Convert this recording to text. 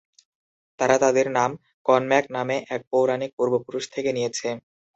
তারা তাদের নাম "কনম্যাক" নামে এক পৌরাণিক পূর্বপুরুষ থেকে নিয়েছে।